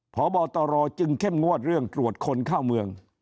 พบตรจึงเข้มงวดเรื่องตรวจคนเข้าเมือง